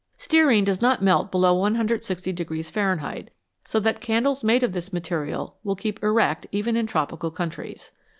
Stearine does not melt below 160 Fahrenheit, so that candles made of this material will keep erect even in tropical countries.